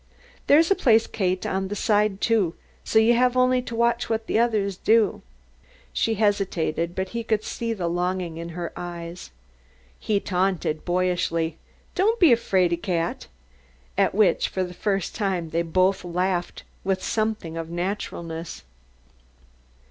"There's a place, Kate on the side, too, so you have only to watch what the others do." She hesitated, but he could see the longing in her eyes. He taunted boyishly, "Don't be a 'fraidy cat,'" at which for the first time they both laughed with something of naturalness.